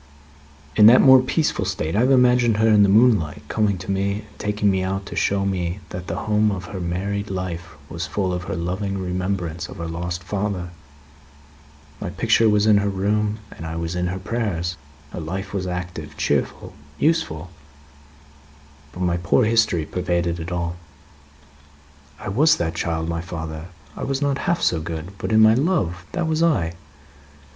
"In that more peaceful state, I have imagined her, in the moonlight, coming to me and taking me out to show me that the home of her married life was full of her loving remembrance of her lost father. My picture was in her room, and I was in her prayers. Her life was active, cheerful, useful; but my poor history pervaded it all." "I was that child, my father, I was not half so good, but in my love that was I."